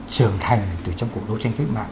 trường thành từ trong cuộc đấu tranh cách mạng